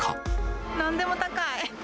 なんでも高い。